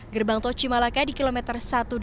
gerbang tol cimalaka di kilometer satu ratus delapan puluh